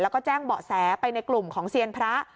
แล้วก็แจ้งเบาะแสไปในกลุ่มของเซียนพระ